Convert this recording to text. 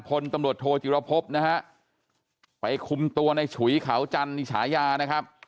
พตโทษิลพบนะฮะไปคุมตัวในฉุยเขาจันทร์นิฉายานะครับ